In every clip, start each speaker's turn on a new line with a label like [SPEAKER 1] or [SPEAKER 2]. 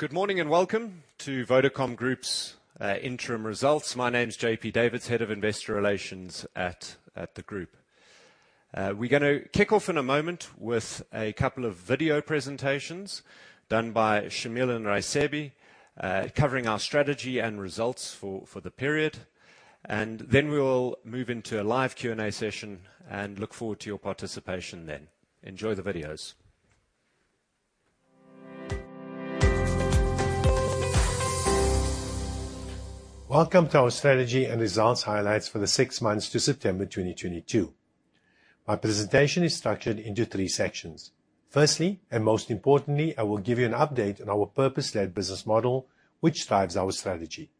[SPEAKER 1] Good morning and welcome to Vodacom Group's interim results. My name is JP Davids, Head of Investor Relations at the group. We're gonna kick off in a moment with a couple of video presentations done by Shameel and Raisibe, covering our strategy and results for the period. We'll move into a live Q&A session and look forward to your participation then. Enjoy the videos.
[SPEAKER 2] Welcome to our strategy and results highlights for the six months to September 2022. My presentation is structured into three sections. Firstly, and most importantly, I will give you an update on our purpose-led business model, which drives our strategy.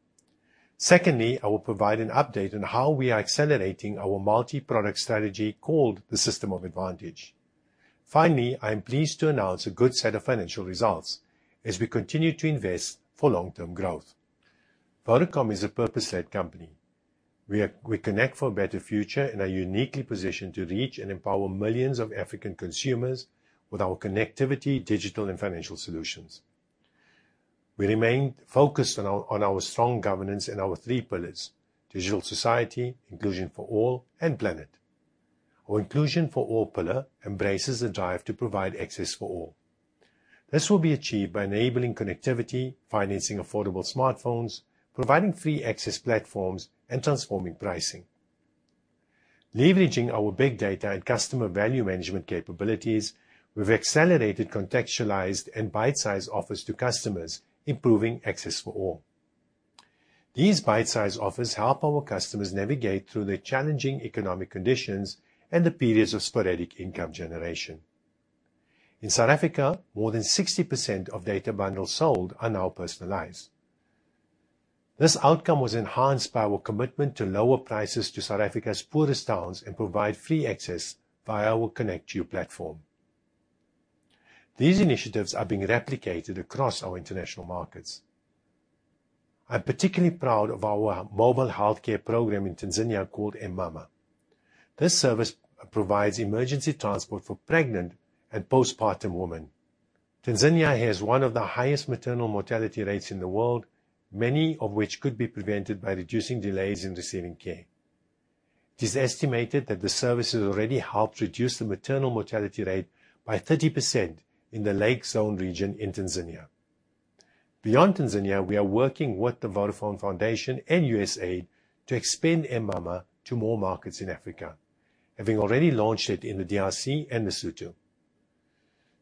[SPEAKER 2] Secondly, I will provide an update on how we are accelerating our multi-product strategy, called the System of Advantage. Finally, I am pleased to announce a good set of financial results as we continue to invest for long-term growth. Vodacom is a purpose-led company. We connect for a better future and are uniquely positioned to reach and empower millions of African consumers with our connectivity, digital, and financial solutions. We remain focused on our strong governance and our three pillars: Digital Society, Inclusion for All, and Planet. Our Inclusion for All pillar embraces the drive to provide access for all. This will be achieved by enabling connectivity, financing affordable smartphones, providing free access platforms, and transforming pricing. Leveraging our big data and customer value management capabilities, we've accelerated contextualized and bite-sized offers to customers, improving access for all. These bite-sized offers help our customers navigate through the challenging economic conditions and the periods of sporadic income generation. In South Africa, more than 60% of data bundles sold are now personalized. This outcome was enhanced by our commitment to lower prices to South Africa's poorest towns and provide free access via our ConnectU platform. These initiatives are being replicated across our international markets. I'm particularly proud of our mobile healthcare program in Tanzania, called m-mama. This service provides emergency transport for pregnant and postpartum women. Tanzania has one of the highest maternal mortality rates in the world, many of which could be prevented by reducing delays in receiving care. It is estimated that the service has already helped reduce the maternal mortality rate by 30% in the Lake Zone region in Tanzania. Beyond Tanzania, we are working with the Vodafone Foundation and USAID to expand m-mama to more markets in Africa, having already launched it in the DRC and Lesotho.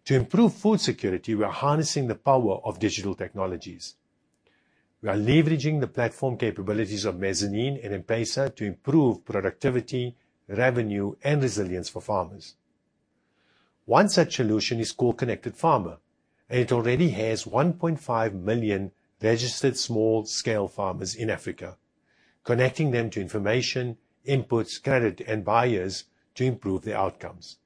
[SPEAKER 2] To improve food security, we are harnessing the power of digital technologies. We are leveraging the platform capabilities of Mezzanine and M-PESA to improve productivity, revenue, and resilience for farmers. One such solution is called Connected Farmer, and it already has 1.5 million registered small-scale farmers in Africa, connecting them to information, inputs, credit, and buyers to improve their outcomes.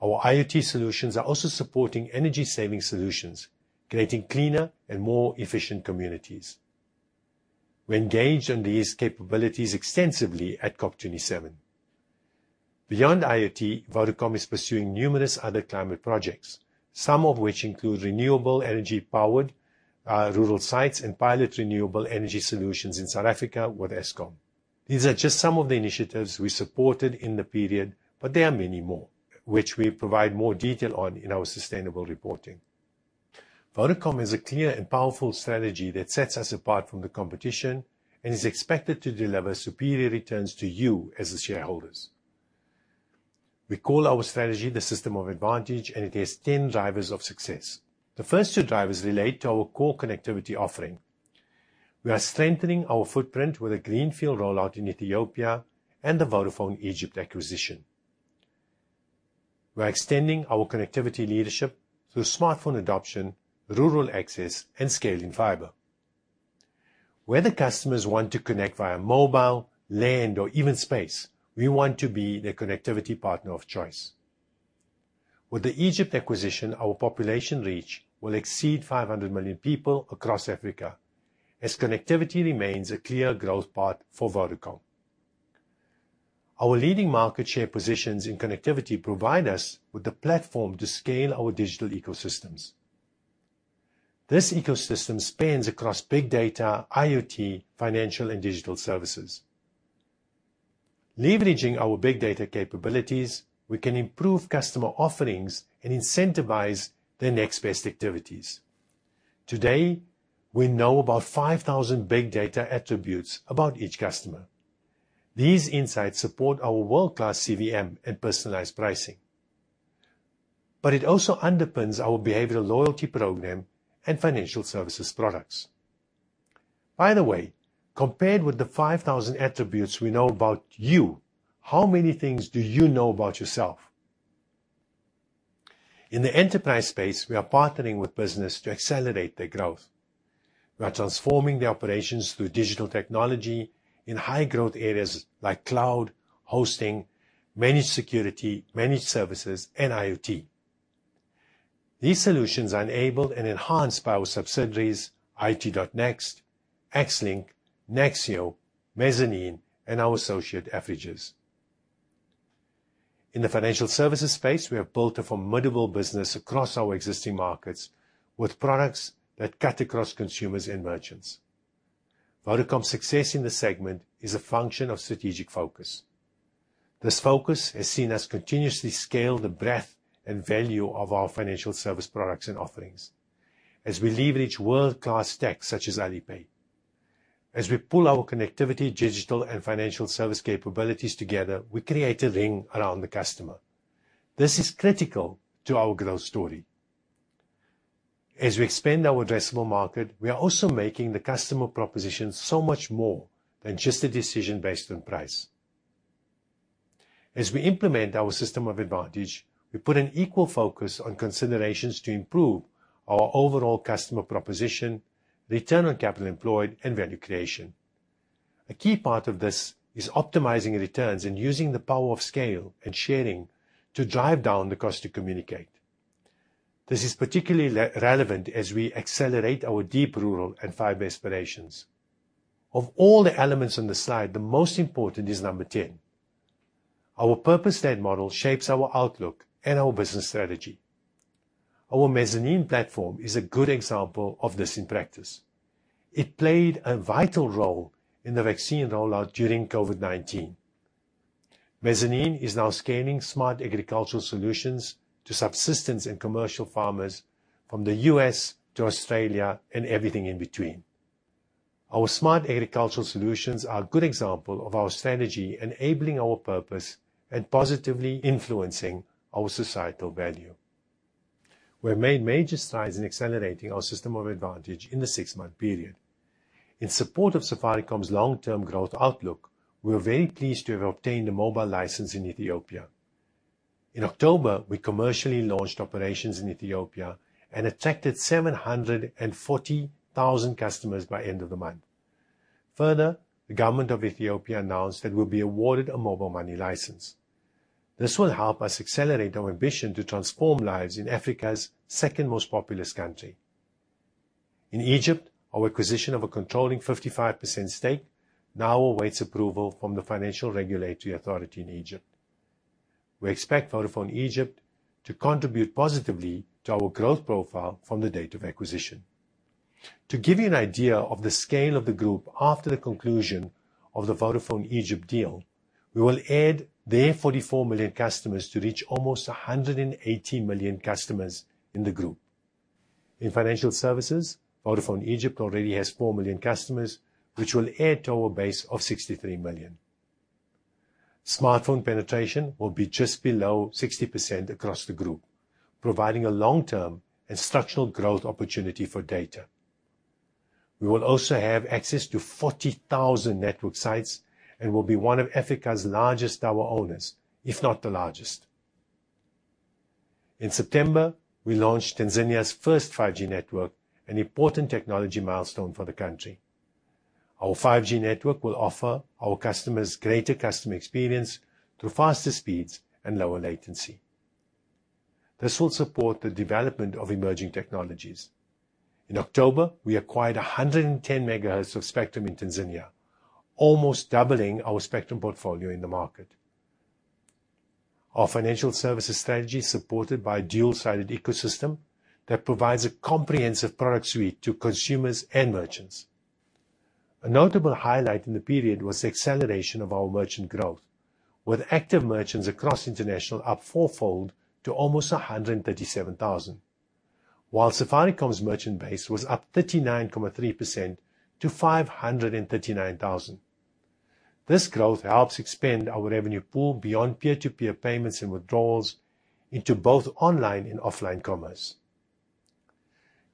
[SPEAKER 2] Our IoT solutions are also supporting energy saving solutions, creating cleaner and more efficient communities. We engaged on these capabilities extensively at COP27. Beyond IoT, Vodacom is pursuing numerous other climate projects, some of which include renewable energy powered rural sites and pilot renewable energy solutions in South Africa with Eskom. These are just some of the initiatives we supported in the period, but there are many more, which we provide more detail on in our sustainable reporting. Vodacom has a clear and powerful strategy that sets us apart from the competition and is expected to deliver superior returns to you as the shareholders. We call our strategy the System of Advantage, and it has 10 drivers of success. The first two drivers relate to our core connectivity offering. We are strengthening our footprint with a greenfield rollout in Ethiopia and the Vodafone Egypt acquisition. We are extending our connectivity leadership through smartphone adoption, rural access, and scaling fiber. Whether customers want to connect via mobile, land, or even space, we want to be their connectivity partner of choice. With the Egypt acquisition, our population reach will exceed 500 million people across Africa as connectivity remains a clear growth path for Vodacom. Our leading market share positions in connectivity provide us with the platform to scale our digital ecosystems. This ecosystem spans across big data, IoT, financial, and digital services. Leveraging our big data capabilities, we can improve customer offerings and incentivize their next best activities. Today, we know about 5,000 big data attributes about each customer. These insights support our world-class CVM and personalized pricing. It also underpins our behavioral loyalty program and Financial Services products. By the way, compared with the 5,000 attributes we know about you, how many things do you know about yourself? In the enterprise space, we are partnering with business to accelerate their growth. We are transforming the operations through digital technology in high growth areas like cloud, hosting, managed security, managed services, and IoT. These solutions are enabled and enhanced by our subsidiaries, IoT.nxt, XLink, Nexio, Mezzanine, and our associate, Afrihost. In the Financial Services space, we have built a formidable business across our existing markets with products that cut across consumers and merchants. Vodafone's success in this segment is a function of strategic focus. This focus has seen us continuously scale the breadth and value of our financial service products and offerings. As we leverage world-class tech such as Alipay. As we pull our connectivity, digital, and financial service capabilities together, we create a ring around the customer. This is critical to our growth story. As we expand our addressable market, we are also making the customer proposition so much more than just a decision based on price. As we implement our System of Advantage, we put an equal focus on considerations to improve our overall customer proposition, return on capital employed, and value creation. A key part of this is optimizing returns and using the power of scale and sharing to drive down the cost to communicate. This is particularly relevant as we accelerate our deep rural and fiber aspirations. Of all the elements on the slide, the most important is number 10. Our purpose-led model shapes our outlook and our business strategy. Our Mezzanine platform is a good example of this in practice. It played a vital role in the vaccine rollout during COVID-19. Mezzanine is now scaling smart agricultural solutions to subsistence and commercial farmers from the U.S. to Australia and everything in between. Our smart agricultural solutions are a good example of our strategy enabling our purpose and positively influencing our societal value. We have made major strides in accelerating our System of Advantage in the six-month period. In support of Safaricom's long-term growth outlook, we are very pleased to have obtained a mobile license in Ethiopia. In October, we commercially launched operations in Ethiopia and attracted 740,000 customers by end of the month. Further, the government of Ethiopia announced that we'll be awarded a mobile money license. This will help us accelerate our ambition to transform lives in Africa's second most populous country. In Egypt, our acquisition of a controlling 55% stake now awaits approval from the Financial Regulatory Authority in Egypt. We expect Vodafone Egypt to contribute positively to our growth profile from the date of acquisition. To give you an idea of the scale of the group after the conclusion of the Vodafone Egypt deal, we will add their 44 million customers to reach almost 180 million customers in the group. In Financial Services, Vodafone Egypt already has 4 million customers, which will add to our base of 63 million. Smartphone penetration will be just below 60% across the group, providing a long-term and structural growth opportunity for data. We will also have access to 40,000 network sites and will be one of Africa's largest tower owners, if not the largest. In September, we launched Tanzania's first 5G network, an important technology milestone for the country. Our 5G network will offer our customers greater customer experience through faster speeds and lower latency. This will support the development of emerging technologies. In October, we acquired 110 MHz of spectrum in Tanzania, almost doubling our spectrum portfolio in the market. Our Financial Services strategy is supported by a dual-sided ecosystem that provides a comprehensive product suite to consumers and merchants. A notable highlight in the period was the acceleration of our merchant growth, with active merchants across international up fourfold to almost 137,000. While Safaricom's merchant base was up 39.3% to 539,000. This growth helps expand our revenue pool beyond peer-to-peer payments and withdrawals into both online and offline commerce.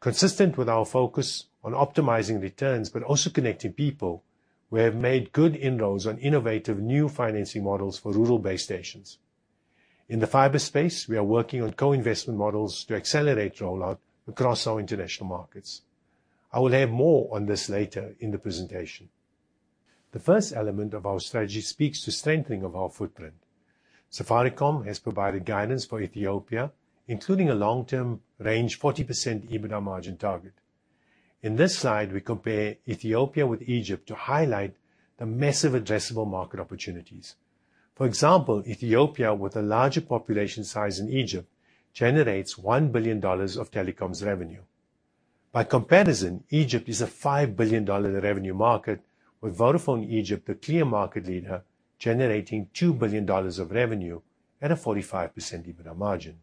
[SPEAKER 2] Consistent with our focus on optimizing returns but also connecting people, we have made good inroads on innovative new financing models for rural base stations. In the fiber space, we are working on co-investment models to accelerate rollout across our international markets. I will have more on this later in the presentation. The first element of our strategy speaks to strengthening of our footprint. Safaricom has provided guidance for Ethiopia, including a long-term range 40% EBITDA margin target. In this slide, we compare Ethiopia with Egypt to highlight the massive addressable market opportunities. For example, Ethiopia, with a larger population size than Egypt, generates $1 billion of telecoms revenue. By comparison, Egypt is a $5 billion revenue market, with Vodafone Egypt, the clear market leader, generating $2 billion of revenue at a 45% EBITDA margin.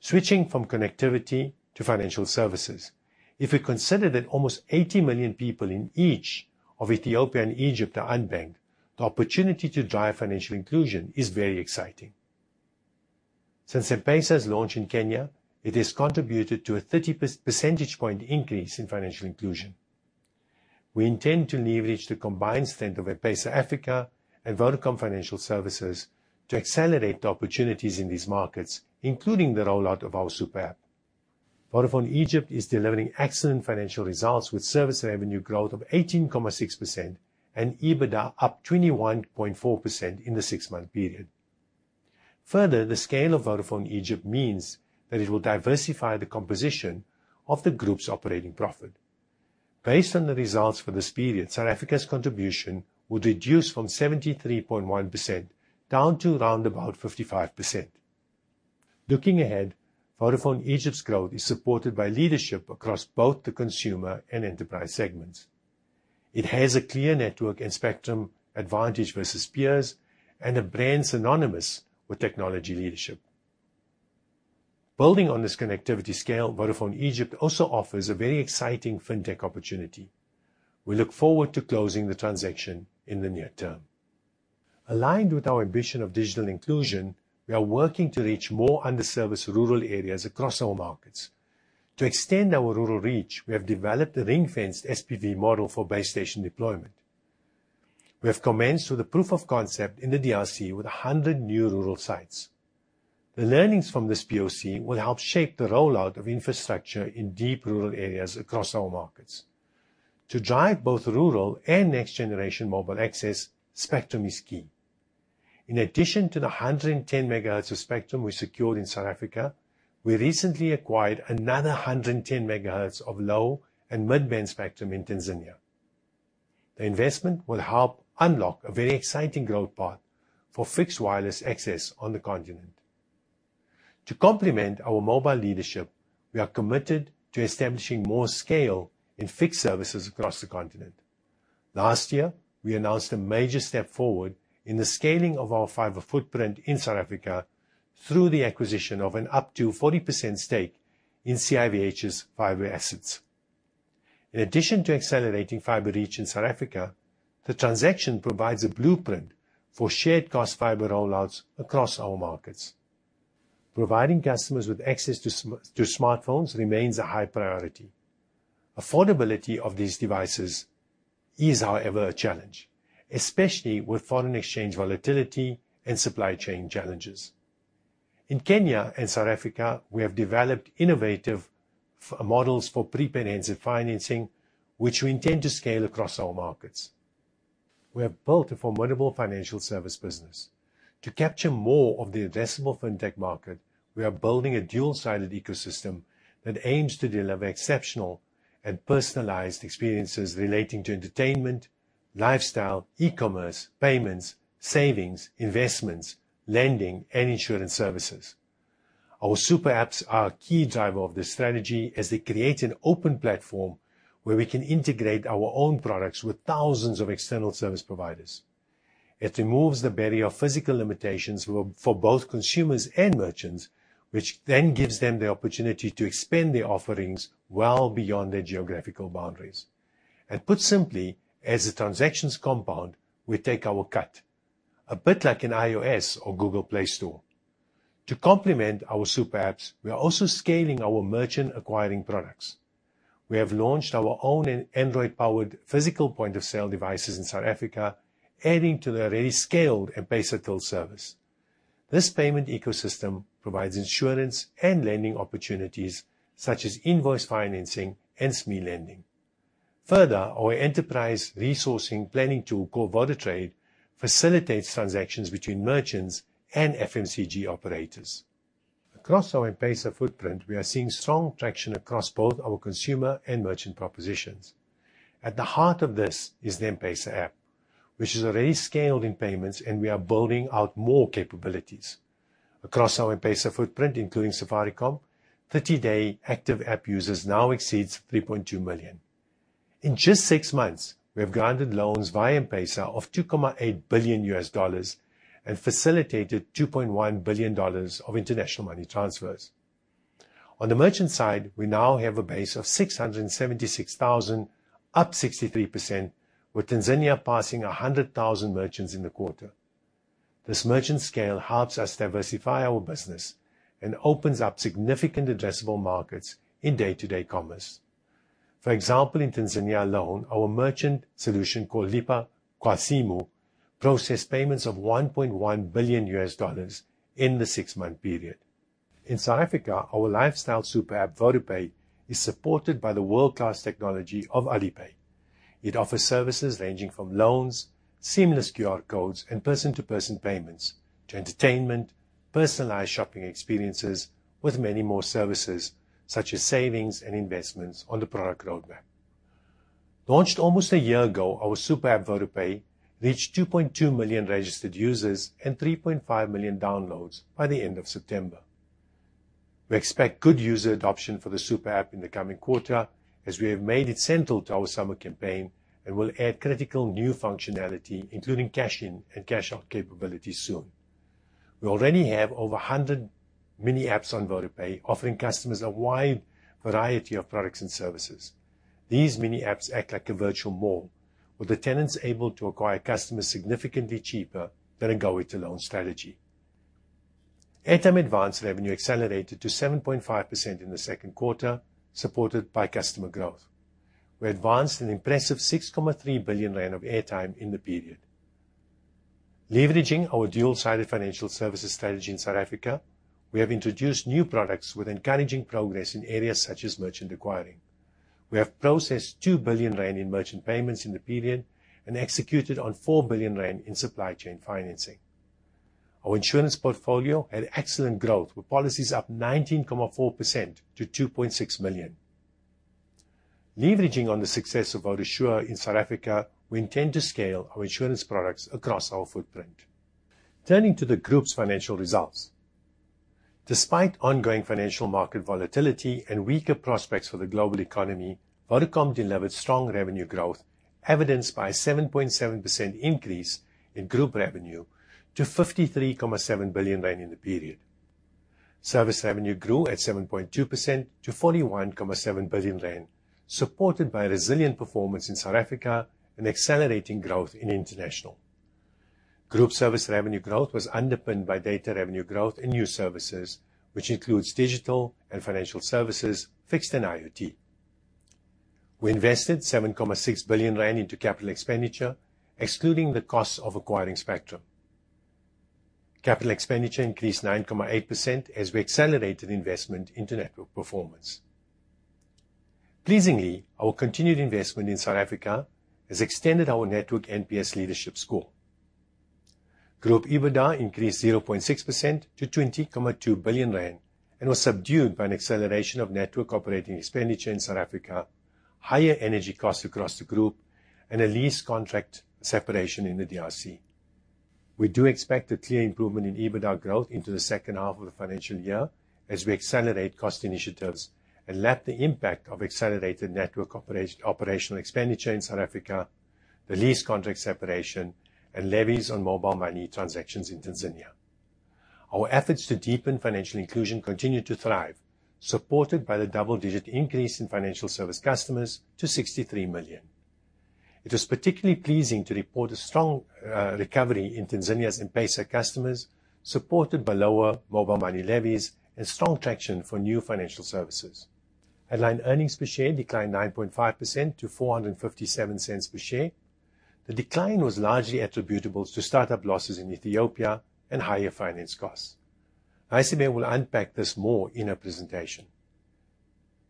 [SPEAKER 2] Switching from Connectivity to Financial Services, if we consider that almost 80 million people in each of Ethiopia and Egypt are unbanked, the opportunity to drive financial inclusion is very exciting. Since M-PESA's launch in Kenya, it has contributed to a 30 percentage point increase in financial inclusion. We intend to leverage the combined strength of M-PESA Africa and Vodacom Financial Services to accelerate the opportunities in these markets, including the rollout of our super app. Vodafone Egypt is delivering excellent financial results with service revenue growth of 18.6% and EBITDA up 21.4% in the six-month period. Further, the scale of Vodafone Egypt means that it will diversify the composition of the group's operating profit. Based on the results for this period, South Africa's contribution would reduce from 73.1% down to around 55%. Looking ahead, Vodafone Egypt's growth is supported by leadership across both the consumer and enterprise segments. It has a clear network and spectrum advantage versus peers and a brand synonymous with technology leadership. Building on this connectivity scale, Vodafone Egypt also offers a very exciting fintech opportunity. We look forward to closing the transaction in the near term. Aligned with our ambition of digital inclusion, we are working to reach more underserviced rural areas across our markets. To extend our rural reach, we have developed a ring-fenced SPV model for base station deployment. We have commenced with a proof of concept in the DRC with 100 new rural sites. The learnings from this POC will help shape the rollout of infrastructure in deep rural areas across our markets. To drive both rural and next-generation mobile access, spectrum is key. In addition to the 110 MHz of spectrum we secured in South Africa, we recently acquired another 110 MHz of low and mid-band spectrum in Tanzania. The investment will help unlock a very exciting growth path for Fixed Wireless Access on the continent. To complement our mobile leadership, we are committed to establishing more scale in Fixed Services across the continent. Last year, we announced a major step forward in the scaling of our fiber footprint in South Africa through the acquisition of up to 40% stake in CIVH's fiber assets. In addition to accelerating fiber reach in South Africa, the transaction provides a blueprint for shared cost fiber rollouts across our markets. Providing customers with access to smartphones remains a high priority. Affordability of these devices is, however, a challenge, especially with foreign exchange volatility and supply chain challenges. In Kenya and South Africa, we have developed innovative models for prepaid handset financing, which we intend to scale across our markets. We have built a formidable financial service business. To capture more of the investable fintech market, we are building a dual-sided ecosystem that aims to deliver exceptional and personalized experiences relating to entertainment, lifestyle, e-commerce, payments, savings, investments, lending, and insurance services. Our super apps are a key driver of this strategy as they create an open platform where we can integrate our own products with thousands of external service providers. It removes the barrier of physical limitations for both consumers and merchants, which then gives them the opportunity to expand their offerings well beyond their geographical boundaries. Put simply, as the transactions compound, we take our cut, a bit like an iOS or Google Play Store. To complement our super apps, we are also scaling our merchant-acquiring products. We have launched our own Android-powered physical point-of-sale devices in South Africa, adding to the already scaled M-PESA till service. This payment ecosystem provides insurance and lending opportunities, such as invoice financing and SME lending. Further, our enterprise resourcing planning tool called VodaTrade facilitates transactions between merchants and FMCG operators. Across our M-PESA footprint, we are seeing strong traction across both our consumer and merchant propositions. At the heart of this is the M-PESA app, which is already scaled in payments, and we are building out more capabilities. Across our M-PESA footprint, including Safaricom, 30-day active app users now exceeds 3.2 million. In just six months, we have granted loans via M-PESA of $2.8 billion and facilitated $2.1 billion of international money transfers. On the merchant side, we now have a base of 676,000, up 63%, with Tanzania passing 100,000 merchants in the quarter. This merchant scale helps us diversify our business and opens up significant addressable markets in day-to-day commerce. For example, in Tanzania alone, our merchant solution called Lipa Kwa Simu processed payments of $1.1 billion in the six-month period. In South Africa, our lifestyle super app, VodaPay, is supported by the world-class technology of Alipay. It offers services ranging from loans, seamless QR codes, and person-to-person payments to entertainment, personalized shopping experiences with many more services such as savings and investments on the product roadmap. Launched almost a year ago, our super app, VodaPay, reached 2.2 million registered users and 3.5 million downloads by the end of September. We expect good user adoption for the super app in the coming quarter, as we have made it central to our summer campaign and will add critical new functionality, including cash in and cash out capabilities soon. We already have over 100 mini apps on VodaPay offering customers a wide variety of products and services. These mini apps act like a virtual mall, with the tenants able to acquire customers significantly cheaper than a go-it-alone strategy. Airtime Advance revenue accelerated to 7.5% in the second quarter, supported by customer growth. We advanced an impressive 6.3 billion rand of airtime in the period. Leveraging our dual-sided Financial Services strategy in South Africa, we have introduced new products with encouraging progress in areas such as merchant acquiring. We have processed 2 billion rand in merchant payments in the period and executed on 4 billion rand in supply chain financing. Our insurance portfolio had excellent growth, with policies up 19.4% to 2.6 million. Leveraging on the success of VodaSure in South Africa, we intend to scale our insurance products across our footprint. Turning to the group's financial results. Despite ongoing financial market volatility and weaker prospects for the global economy, Vodacom delivered strong revenue growth, evidenced by 7.7% increase in group revenue to 53.7 billion rand in the period. Service revenue grew at 7.2% to 41.7 billion rand, supported by resilient performance in South Africa and accelerating growth in international. Group service revenue growth was underpinned by data revenue growth in new services, which includes Digital and Financial Services, Fixed and IoT. We invested 7.6 billion rand into capital expenditure, excluding the costs of acquiring spectrum. Capital expenditure increased 9.8% as we accelerated investment into network performance. Pleasingly, our continued investment in South Africa has extended our Network NPS leadership score. Group EBITDA increased 0.6% to 20.2 billion rand and was subdued by an acceleration of network operating expenditure in South Africa, higher energy costs across the group, and a lease contract separation in the DRC. We do expect a clear improvement in EBITDA growth into the second half of the financial year as we accelerate cost initiatives and lap the impact of accelerated network operational expenditure in South Africa, the lease contract separation, and levies on mobile money transactions in Tanzania. Our efforts to deepen financial inclusion continue to thrive, supported by the double-digit increase in Financial Service customers to 63 million. It is particularly pleasing to report a strong recovery in Tanzania's M-PESA customers, supported by lower mobile money levies and strong traction for new financial services. Headline earnings per share declined 9.5% to 4.57 per share. The decline was largely attributable to start-up losses in Ethiopia and higher finance costs. Raisibe will unpack this more in her presentation.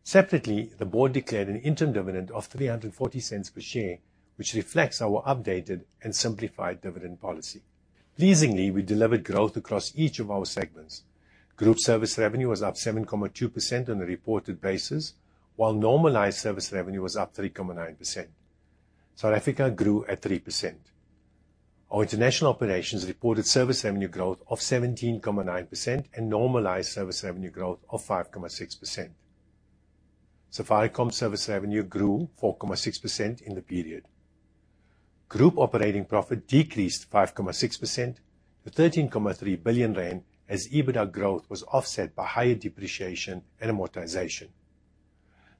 [SPEAKER 2] Separately, the Board declared an interim dividend of 3.40 per share, which reflects our updated and simplified dividend policy. Pleasingly, we delivered growth across each of our segments. Group service revenue was up 7.2% on a reported basis, while normalized service revenue was up 3.9%. South Africa grew at 3%. Our international operations reported service revenue growth of 17.9% and normalized service revenue growth of 5.6%. Safaricom service revenue grew 4.6% in the period. Group operating profit decreased 5.6% to 13.3 billion rand, as EBITDA growth was offset by higher depreciation and amortization.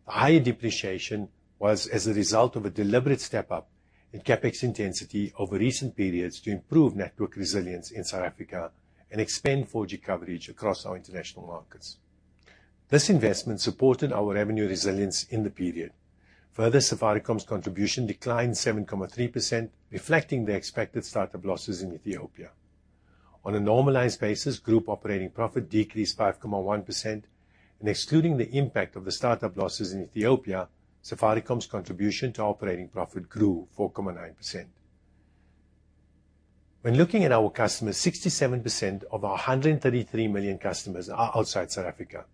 [SPEAKER 2] The higher depreciation was as a result of a deliberate step up in CapEx intensity over recent periods to improve network resilience in South Africa and expand 4G coverage across our international markets. This investment supported our revenue resilience in the period. Further, Safaricom's contribution declined 7.3%, reflecting the expected start-up losses in Ethiopia. On a normalized basis, group operating profit decreased 5.1%, and excluding the impact of the start-up losses in Ethiopia, Safaricom's contribution to operating profit grew 4.9%. When looking at our customers, 67% of our 133 million customers are outside South Africa.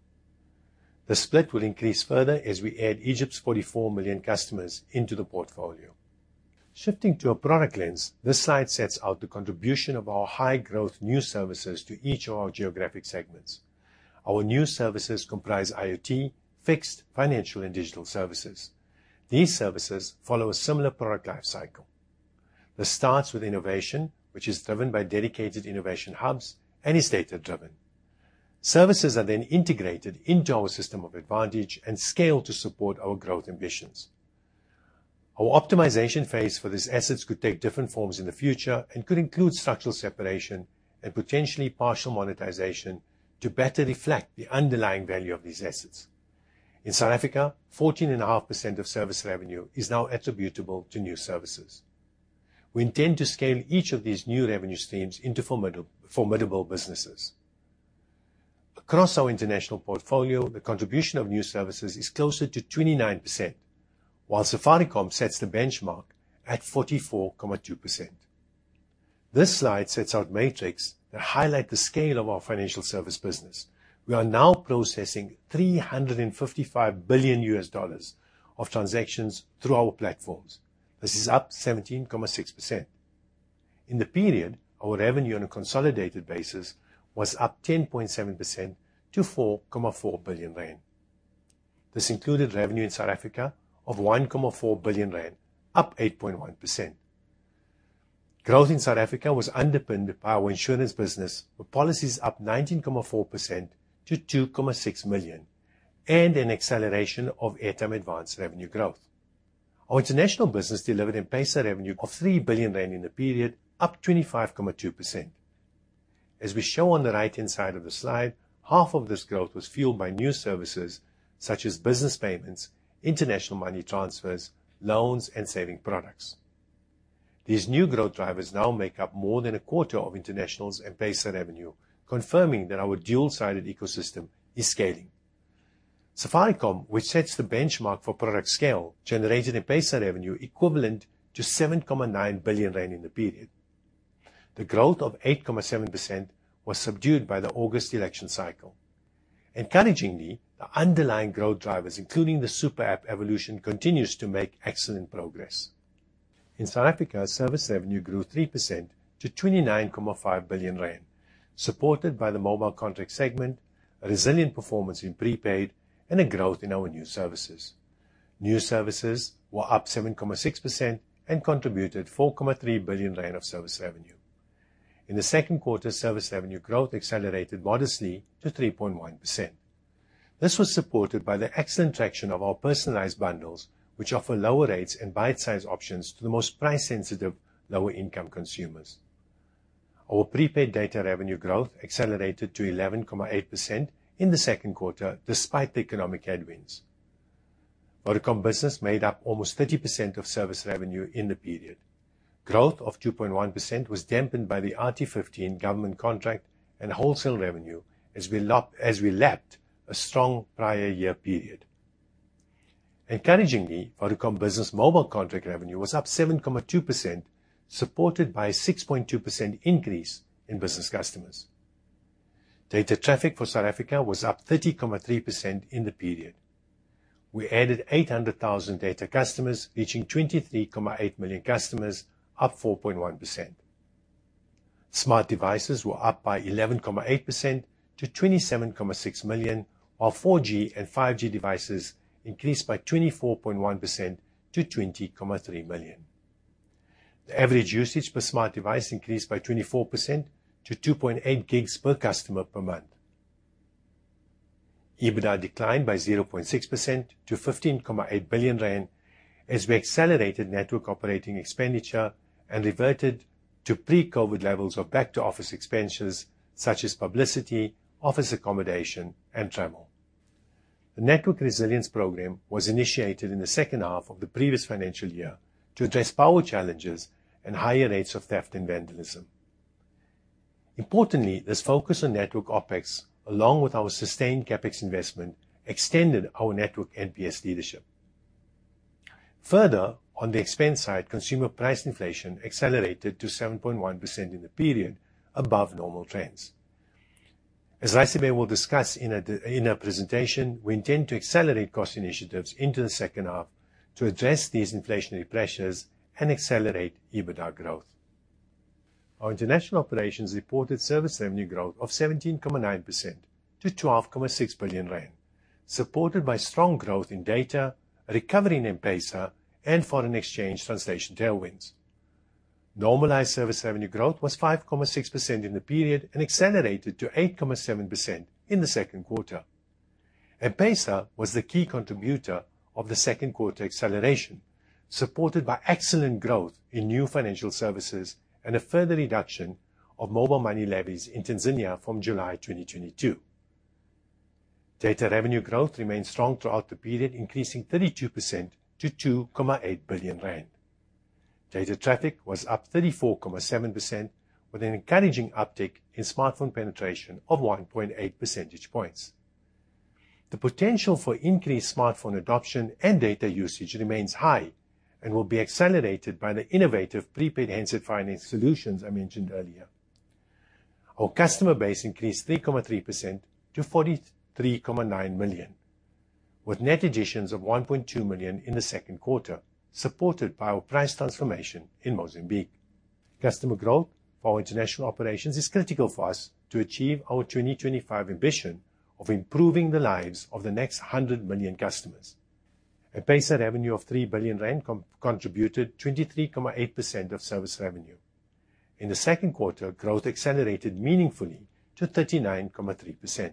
[SPEAKER 2] The split will increase further as we add Egypt's 44 million customers into the portfolio. Shifting to a product lens, this slide sets out the contribution of our high growth new services to each of our geographic segments. Our new services comprise IoT, Fixed, Financial and Digital services. These services follow a similar product life cycle. This starts with innovation, which is driven by dedicated innovation hubs and is data-driven. Services are then integrated into our System of Advantage and scaled to support our growth ambitions. Our optimization phase for these assets could take different forms in the future and could include structural separation and potentially partial monetization to better reflect the underlying value of these assets. In South Africa, 14.5% of service revenue is now attributable to new services. We intend to scale each of these new revenue streams into formidable businesses. Across our international portfolio, the contribution of new services is closer to 29%, while Safaricom sets the benchmark at 44.2%. This slide sets out metrics that highlight the scale of our financial service business. We are now processing $355 billion of transactions through our platforms. This is up 17.6%. In the period, our revenue on a consolidated basis was up 10.7% to 4.4 billion rand. This included revenue in South Africa of 1.4 billion rand, up 8.1%. Growth in South Africa was underpinned by our insurance business, with policies up 19.4% to 2.6 million, and an acceleration of Airtime Advance revenue growth. Our international business delivered M-PESA revenue of 3 billion rand in the period, up 25.2%. As we show on the right-hand side of the slide, half of this growth was fueled by new services such as business payments, international money transfers, loans, and saving products. These new growth drivers now make up more than a quarter of international's M-PESA revenue, confirming that our dual-sided ecosystem is scaling. Safaricom, which sets the benchmark for product scale, generated M-PESA revenue equivalent to 7.9 billion rand in the period. The growth of 8.7% was subdued by the August election cycle. Encouragingly, the underlying growth drivers, including the super app evolution, continues to make excellent progress. In South Africa, service revenue grew 3% to 29.5 billion rand, supported by the mobile contract segment, a resilient performance in prepaid, and a growth in our new services. New services were up 7.6% and contributed 4.3 billion rand of service revenue. In the second quarter, service revenue growth accelerated modestly to 3.1%. This was supported by the excellent traction of our personalized bundles, which offer lower rates and bite-size options to the most price-sensitive lower income consumers. Our prepaid data revenue growth accelerated to 11.8% in the second quarter, despite the economic headwinds. Vodacom Business made up almost 30% of service revenue in the period. Growth of 2.1% was dampened by the RT15 government contract and wholesale revenue as we lapped a strong prior year period. Encouragingly, Vodacom Business mobile contract revenue was up 7.2%, supported by a 6.2% increase in business customers. Data traffic for South Africa was up 30.3% in the period. We added 800,000 data customers, reaching 23.8 million customers, up 4.1%. Smart devices were up by 11.8% to 27.6 million, while 4G and 5G devices increased by 24.1% to 20.3 million. The average usage per smart device increased by 24% to 2.8 GB per customer per month. EBITDA declined by 0.6% to 15.8 billion rand as we accelerated network operating expenditure and reverted to pre-COVID levels of back to office expenses such as publicity, office accommodation, and travel. The Network Resilience Program was initiated in the second half of the previous financial year to address power challenges and higher rates of theft and vandalism. Importantly, this focus on network OpEx, along with our sustained CapEx investment, extended our network NPS leadership. Further, on the expense side, consumer price inflation accelerated to 7.1% in the period above normal trends. As Raisibe Morathi will discuss in her presentation, we intend to accelerate cost initiatives into the second half to address these inflationary pressures and accelerate EBITDA growth. Our international operations reported service revenue growth of 17.9% to 12.6 billion rand, supported by strong growth in data, a recovery in M-PESA, and foreign exchange translation tailwinds. Normalized service revenue growth was 5.6% in the period and accelerated to 8.7% in the second quarter. M-PESA was the key contributor of the second quarter acceleration, supported by excellent growth in new financial services and a further reduction of mobile money levies in Tanzania from July 2022. Data revenue growth remained strong throughout the period, increasing 32% to 2.8 billion rand. Data traffic was up 34.7% with an encouraging uptick in smartphone penetration of 1.8 percentage points. The potential for increased smartphone adoption and data usage remains high and will be accelerated by the innovative prepaid handset finance solutions I mentioned earlier. Our customer base increased 3.3% to 43.9 million, with net additions of 1.2 million in the second quarter, supported by our price transformation in Mozambique. Customer growth for our international operations is critical for us to achieve our 2025 ambition of improving the lives of the next 100 million customers. M-PESA revenue of 3 billion rand contributed 23.8% of service revenue. In the second quarter, growth accelerated meaningfully to 39.3%.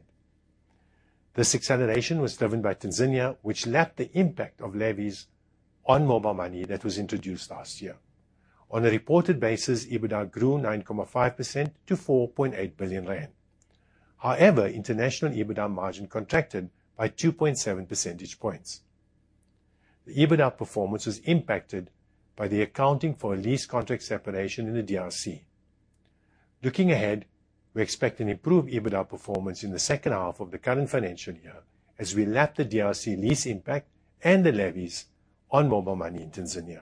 [SPEAKER 2] This acceleration was driven by Tanzania, which lapped the impact of levies on mobile money that was introduced last year. On a reported basis, EBITDA grew 9.5% to 4.8 billion rand. However, international EBITDA margin contracted by 2.7 percentage points. The EBITDA performance was impacted by the accounting for a lease contract separation in the DRC. Looking ahead, we expect an improved EBITDA performance in the second half of the current financial year as we lap the DRC lease impact and the levies on mobile money in Tanzania.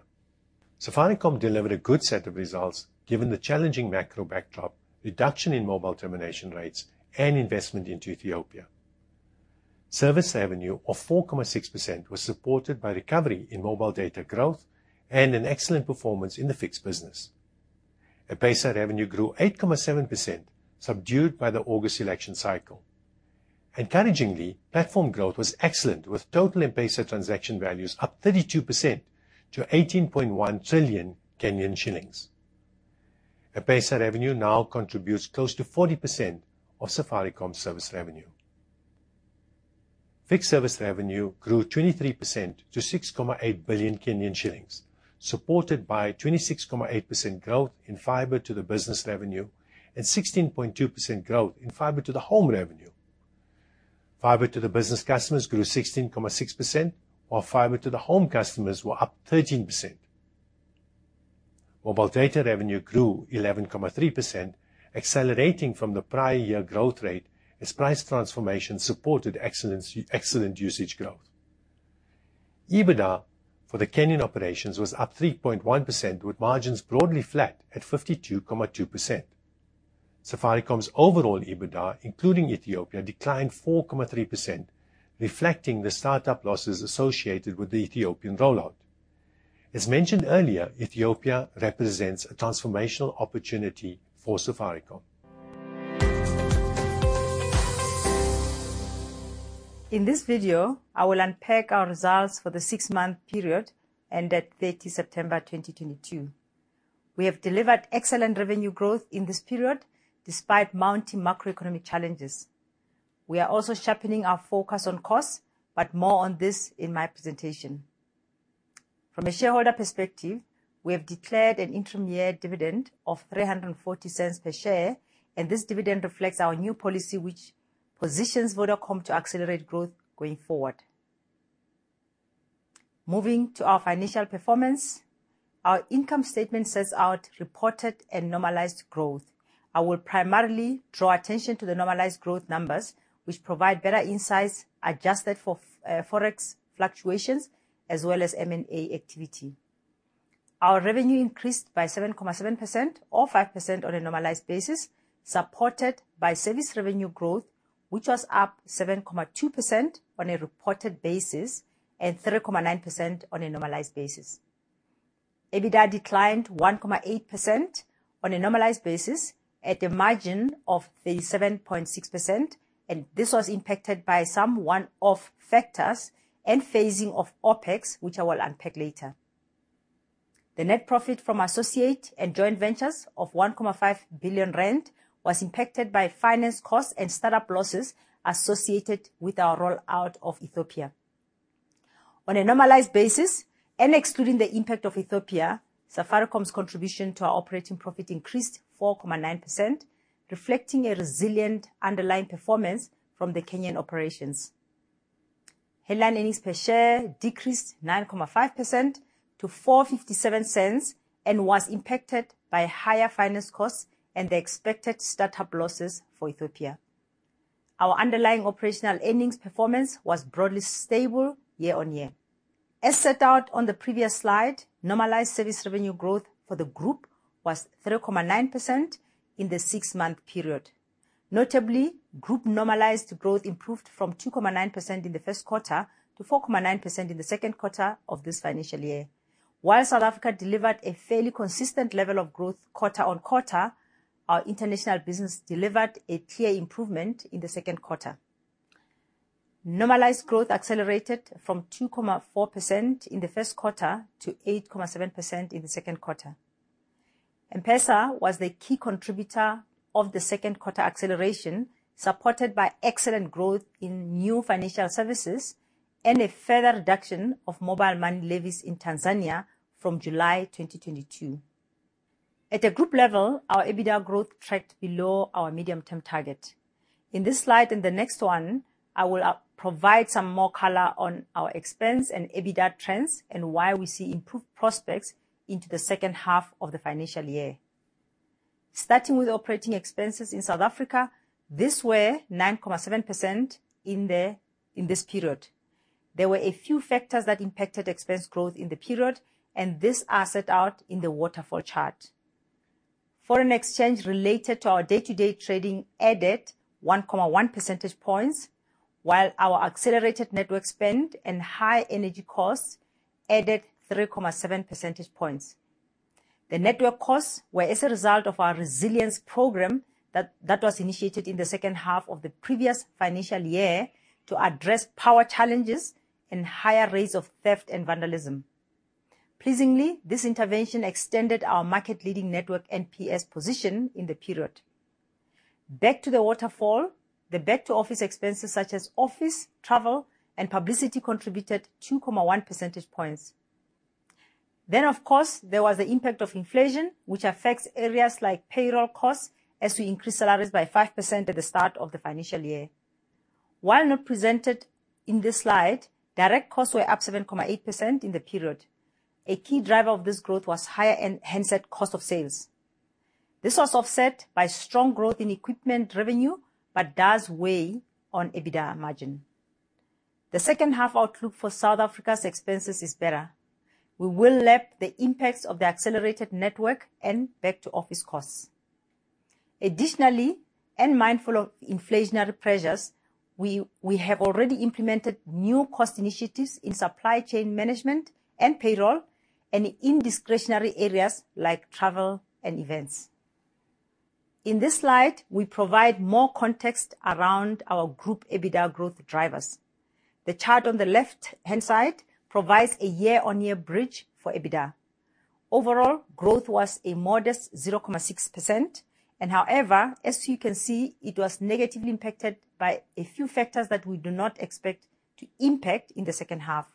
[SPEAKER 2] Safaricom delivered a good set of results given the challenging macro backdrop, reduction in mobile termination rates, and investment into Ethiopia. Service revenue of 4.6% was supported by recovery in mobile data growth and an excellent performance in the Fixed business. M-PESA revenue grew 8.7%, subdued by the August election cycle. Encouragingly, platform growth was excellent, with total M-PESA transaction values up 32% to 18.1 trillion Kenyan shillings. M-PESA revenue now contributes close to 40% of Safaricom's service revenue. Fixed service revenue grew 23% to 6.8 billion Kenyan shillings, supported by 26.8% growth in Fibre to the Business revenue and 16.2% growth in Fibre to the Home revenue. Fibre to the Business customers grew 16.6%, while Fibre to the Home customers were up 13%. Mobile data revenue grew 11.3%, accelerating from the prior year growth rate as price transformation supported excellent usage growth. EBITDA for the Kenyan operations was up 3.1%, with margins broadly flat at 52.2%. Safaricom's overall EBITDA, including Ethiopia, declined 4.3%, reflecting the startup losses associated with the Ethiopian rollout. As mentioned earlier, Ethiopia represents a transformational opportunity for Safaricom.
[SPEAKER 3] In this video, I will unpack our results for the six-month period ended 30 September 2022. We have delivered excellent revenue growth in this period despite mounting macroeconomic challenges. We are also sharpening our focus on costs, but more on this in my presentation. From a shareholder perspective, we have declared an interim-year dividend of 3.40 per share, and this dividend reflects our new policy, which positions Vodacom to accelerate growth going forward. Moving to our financial performance, our income statement sets out reported and normalized growth. I will primarily draw attention to the normalized growth numbers, which provide better insights adjusted for Forex fluctuations as well as M&A activity. Our revenue increased by 7.7% or 5% on a normalized basis, supported by service revenue growth, which was up 7.2% on a reported basis and 3.9% on a normalized basis. EBITDA declined 1.8% on a normalized basis at a margin of 37.6%, and this was impacted by some one-off factors and phasing of OpEx, which I will unpack later. The net profit from associate and joint ventures of 1.5 billion rand was impacted by finance costs and startup losses associated with our rollout of Ethiopia. On a normalized basis and excluding the impact of Ethiopia, Safaricom's contribution to our operating profit increased 4.9%, reflecting a resilient underlying performance from the Kenyan operations. Headline earnings per share decreased 9.5% to 4.57 and was impacted by higher finance costs and the expected startup losses for Ethiopia. Our underlying operational earnings performance was broadly stable year-on-year. As set out on the previous slide, normalized service revenue growth for the group was 3.9% in the six-month period. Notably, group normalized growth improved from 2.9% in the first quarter to 4.9% in the second quarter of this financial year. While South Africa delivered a fairly consistent level of growth quarter-on-quarter, our international business delivered a tier improvement in the second quarter. Normalized growth accelerated from 2.4% in the first quarter to 8.7% in the second quarter. M-PESA was the key contributor of the second quarter acceleration, supported by excellent growth in new financial services and a further reduction of mobile money levies in Tanzania from July 2022. At a group level, our EBITDA growth tracked below our medium-term target. In this slide and the next one, I will provide some more color on our expense and EBITDA trends and why we see improved prospects into the second half of the financial year. Starting with operating expenses in South Africa, was up 9.7% in this period. There were a few factors that impacted expense growth in the period, and these are set out in the waterfall chart. Foreign exchange related to our day-to-day trading added 1.1 percentage points, while our accelerated network spend and high energy costs added 3.7 percentage points. The network costs were as a result of our resilience program that was initiated in the second half of the previous financial year to address power challenges and higher rates of theft and vandalism. Pleasingly, this intervention extended our market-leading network NPS position in the period. Back to the waterfall. The back-to-office expenses such as office, travel, and publicity contributed 2.1 percentage points. Then, of course, there was the impact of inflation, which affects areas like payroll costs as we increased salaries by 5% at the start of the financial year. While not presented in this slide, direct costs were up 7.8% in the period. A key driver of this growth was higher handset cost of sales. This was offset by strong growth in equipment revenue but does weigh on EBITDA margin. The second-half outlook for South Africa's expenses is better. We will lap the impacts of the accelerated network and back-to-office costs. Additionally, and mindful of inflationary pressures, we have already implemented new cost initiatives in supply chain management and payroll and in discretionary areas like travel and events. In this slide, we provide more context around our group EBITDA growth drivers. The chart on the left-hand side provides a year-on-year bridge for EBITDA. Overall, growth was a modest 0.6% and however, as you can see, it was negatively impacted by a few factors that we do not expect to impact in the second half.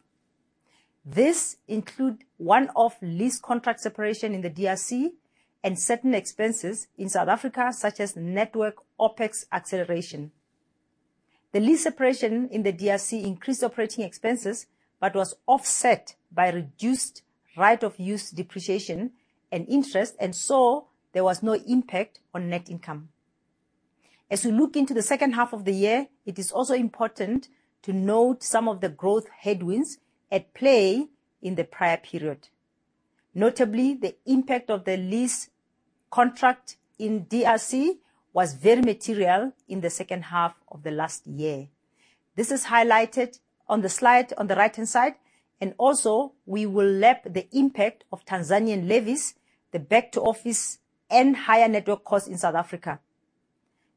[SPEAKER 3] This include one-off lease contract separation in the DRC and certain expenses in South Africa, such as network OpEx acceleration. The lease separation in the DRC increased operating expenses, but was offset by reduced right of use depreciation and interest, and so there was no impact on net income. As we look into the second half of the year, it is also important to note some of the growth headwinds at play in the prior period. Notably, the impact of the lease contract in DRC was very material in the second half of the last year. This is highlighted on the slide on the right-hand side, and also we will lap the impact of Tanzanian levies, the back to office, and higher network costs in South Africa.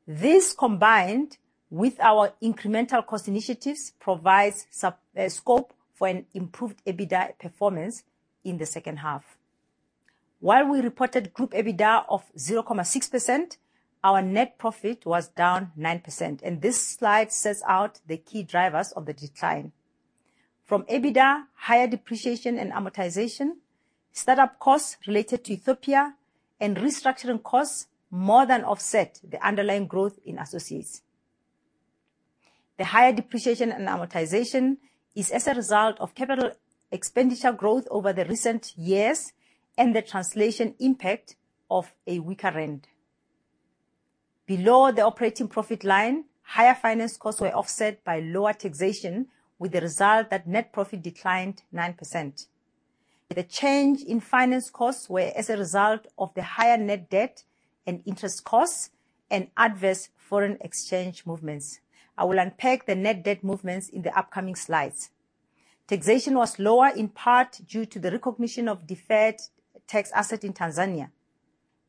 [SPEAKER 3] This, combined with our incremental cost initiatives, provides scope for an improved EBITDA performance in the second half. While we reported group EBITDA of 0.6%, our net profit was down 9%, and this slide sets out the key drivers of the decline. From EBITDA, higher depreciation and amortization, start-up costs related to Ethiopia, and restructuring costs more than offset the underlying growth in associates. The higher depreciation and amortization is as a result of capital expenditure growth over the recent years and the translation impact of a weaker rand. Below the operating profit line, higher finance costs were offset by lower taxation, with the result that net profit declined 9%. The change in finance costs were as a result of the higher net debt and interest costs and adverse foreign exchange movements. I will unpack the net debt movements in the upcoming slides. Taxation was lower, in part, due to the recognition of deferred tax asset in Tanzania.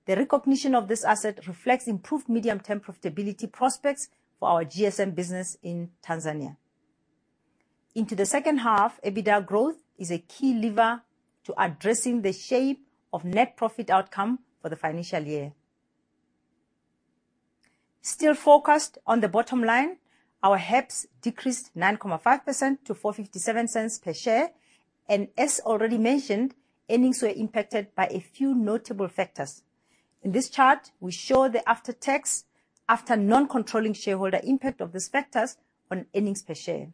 [SPEAKER 3] The recognition of this asset reflects improved medium-term profitability prospects for our GSM business in Tanzania. Into the second half, EBITDA growth is a key lever to addressing the shape of net profit outcome for the financial year. Still focused on the bottom line, our HEPS decreased 9.5% to 4.57 per share. As already mentioned, earnings were impacted by a few notable factors. In this chart, we show the after tax, after non-controlling shareholder impact of these factors on earnings per share.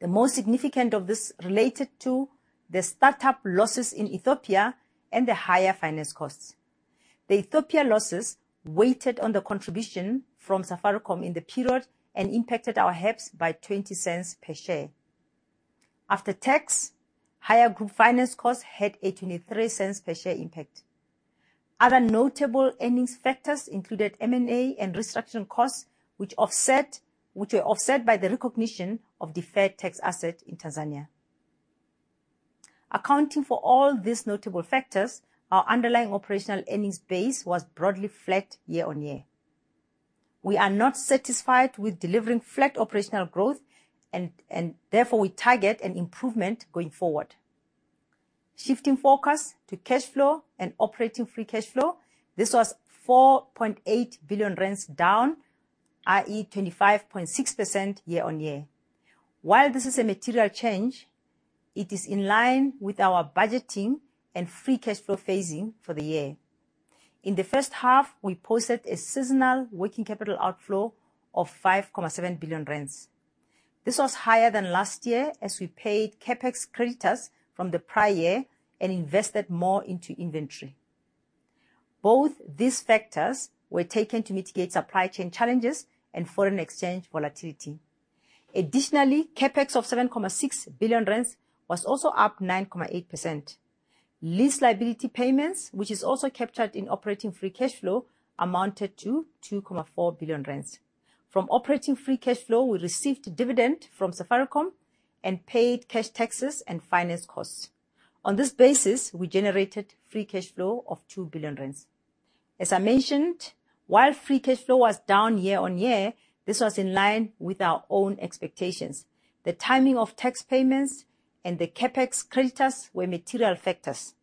[SPEAKER 3] The most significant of these related to the start-up losses in Ethiopia and the higher finance costs. The Ethiopia losses weighed on the contribution from Safaricom in the period and impacted our HEPS by 0.20 per share. After tax, higher group finance costs had a 0.23 per share impact. Other notable earnings factors included M&A and restructuring costs, which were offset by the recognition of deferred tax asset in Tanzania. Accounting for all these notable factors, our underlying operational earnings base was broadly flat year-on-year. We are not satisfied with delivering flat operational growth and therefore we target an improvement going forward. Shifting focus to cash flow and operating free cash flow. This was 4.8 billion down, i.e., 25.6% year-on-year. While this is a material change, it is in line with our budgeting and free cash flow phasing for the year. In the first half, we posted a seasonal working capital outflow of 5.7 billion rand. This was higher than last year, as we paid CapEx creditors from the prior year and invested more into inventory. Both these factors were taken to mitigate supply chain challenges and foreign exchange volatility. Additionally, CapEx of 7.6 billion rand was also up 9.8%. Lease liability payments, which is also captured in operating free cash flow, amounted to 2.4 billion rand. From operating free cash flow, we received a dividend from Safaricom and paid cash taxes and finance costs. On this basis, we generated free cash flow of 2 billion rand. As I mentioned, while free cash flow was down year-on-year, this was in line with our own expectations. The timing of tax payments and the CapEx creditors were material factors.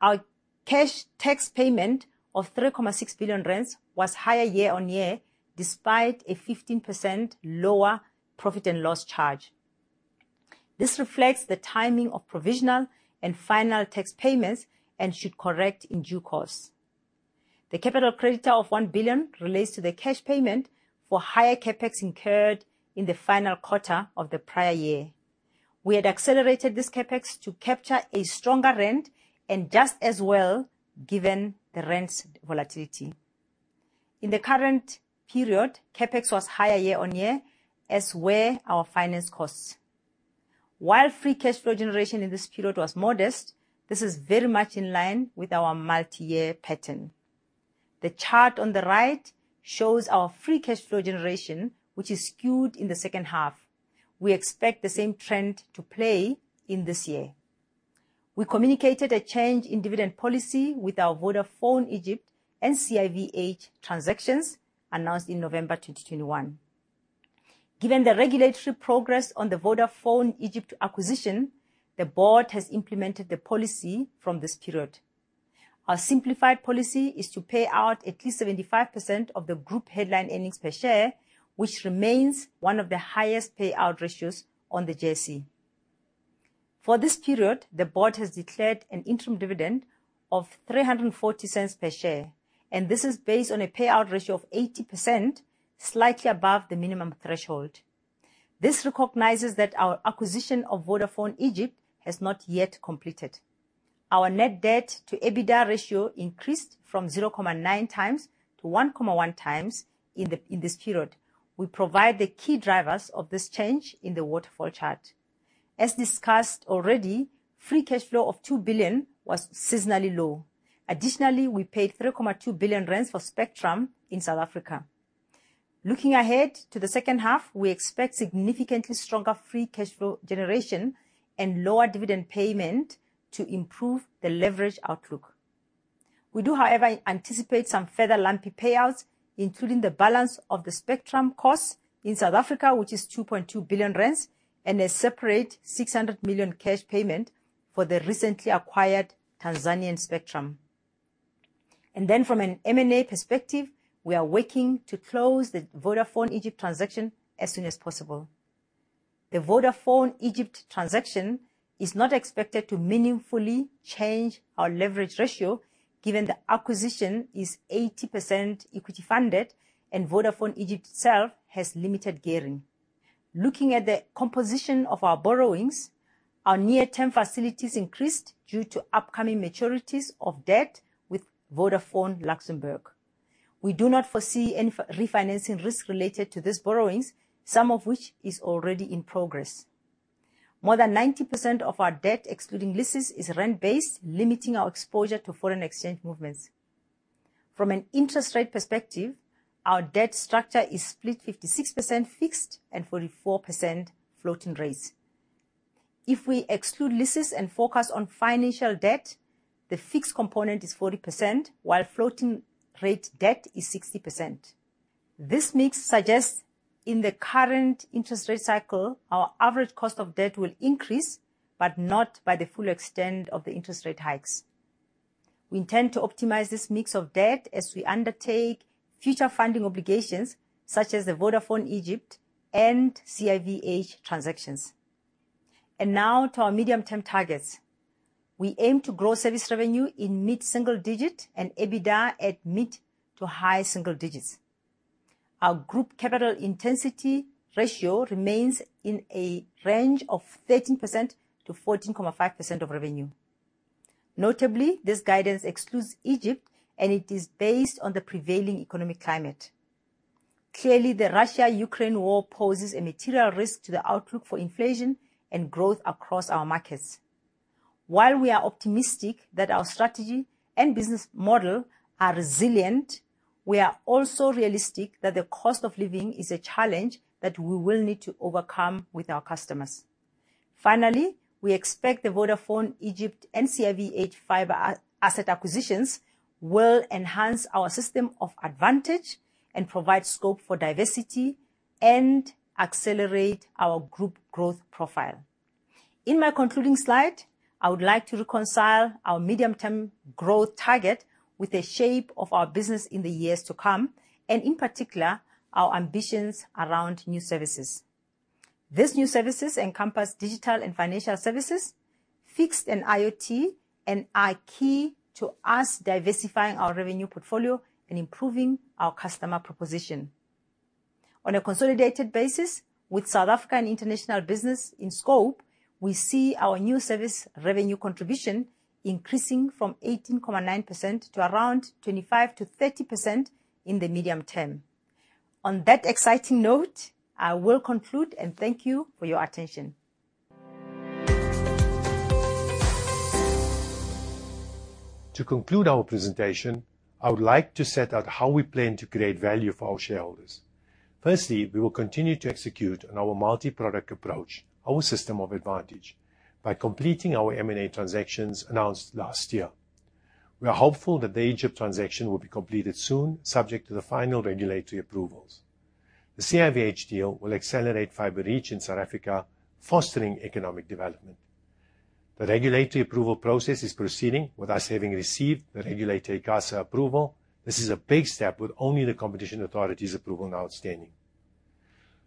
[SPEAKER 3] Our cash tax payment of 3.6 billion rand was higher year-on-year, despite a 15% lower profit and loss charge. This reflects the timing of provisional and final tax payments and should correct in due course. The capital creditor of 1 billion relates to the cash payment for higher CapEx incurred in the final quarter of the prior year. We had accelerated this CapEx to capture a stronger rand and adjust as well, given the rand's volatility. In the current period, CapEx was higher year-on-year, as were our finance costs. While free cash flow generation in this period was modest, this is very much in line with our multi-year pattern. The chart on the right shows our free cash flow generation, which is skewed in the second half. We expect the same trend to play in this year. We communicated a change in dividend policy with our Vodacom Egypt and CIVH transactions announced in November 2021. Given the regulatory progress on the Vodacom Egypt acquisition, the Board has implemented the policy from this period. Our simplified policy is to pay out at least 75% of the group headline earnings per share, which remains one of the highest payout ratios on the JSE. For this period, the board has declared an interim dividend of 3.40 per share, and this is based on a payout ratio of 80%, slightly above the minimum threshold. This recognizes that our acquisition of Vodafone Egypt has not yet completed. Our net debt to EBITDA ratio increased from 0.9x to 1.1x in this period. We provide the key drivers of this change in the waterfall chart. As discussed already, free cash flow of 2 billion was seasonally low. Additionally, we paid 3.2 billion rand for spectrum in South Africa. Looking ahead to the second half, we expect significantly stronger free cash flow generation and lower dividend payment to improve the leverage outlook. We do, however, anticipate some further lumpy payouts, including the balance of the spectrum costs in South Africa, which is 2.2 billion rand, and a separate 600 million cash payment for the recently acquired Tanzanian spectrum. From an M&A perspective, we are working to close the Vodafone Egypt transaction as soon as possible. The Vodafone Egypt transaction is not expected to meaningfully change our leverage ratio given the acquisition is 80% equity funded and Vodafone Egypt itself has limited gearing. Looking at the composition of our borrowings, our near-term facilities increased due to upcoming maturities of debt with Vodafone Luxembourg. We do not foresee any refinancing risk related to these borrowings, some of which is already in progress. More than 90% of our debt, excluding leases, is rand-based, limiting our exposure to foreign exchange movements. From an interest rate perspective, our debt structure is split 56% fixed and 44% floating rates. If we exclude leases and focus on financial debt, the fixed component is 40%, while floating rate debt is 60%. This mix suggests in the current interest rate cycle, our average cost of debt will increase, but not by the full extent of the interest rate hikes. We intend to optimize this mix of debt as we undertake future funding obligations, such as the Vodafone Egypt and CIVH transactions. Now to our medium-term targets. We aim to grow service revenue in mid-single digit and EBITDA at mid-to-high single digits. Our group capital intensity ratio remains in a range of 13%-14.5% of revenue. Notably, this guidance excludes Egypt, and it is based on the prevailing economic climate. Clearly, the Russia-Ukraine war poses a material risk to the outlook for inflation and growth across our markets. While we are optimistic that our strategy and business model are resilient, we are also realistic that the cost of living is a challenge that we will need to overcome with our customers. Finally, we expect the Vodafone Egypt and CIVH fiber asset acquisitions will enhance our System of Advantage and provide scope for diversity and accelerate our group growth profile. In my concluding slide, I would like to reconcile our medium-term growth target with the shape of our business in the years to come, and in particular, our ambitions around new services. These new services encompass Digital and Financial Services, Fixed and IoT, and are key to us diversifying our revenue portfolio and improving our customer proposition. On a consolidated basis with South African international business in scope, we see our new service revenue contribution increasing from 18.9% to around 25%-30% in the medium term. On that exciting note, I will conclude and thank you for your attention.
[SPEAKER 2] To conclude our presentation, I would like to set out how we plan to create value for our shareholders. Firstly, we will continue to execute on our multi-product approach, our System of Advantage, by completing our M&A transactions announced last year. We are hopeful that the Egypt transaction will be completed soon, subject to the final regulatory approvals. The CIVH deal will accelerate fiber reach in South Africa, fostering economic development. The regulatory approval process is proceeding with us having received the regulatory ICASA approval. This is a big step, with only the Competition Authority's approval now outstanding.